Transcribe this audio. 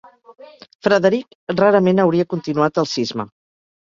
Frederick rarament hauria continuat el cisma.